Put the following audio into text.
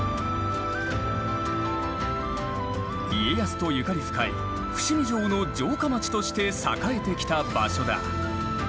家康とゆかり深い伏見城の城下町として栄えてきた場所だ。